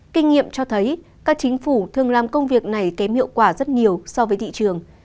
kinh nghiệm cho thấy các chính phủ thường làm công việc này kém hiệu quả rất nhiều so với thị trường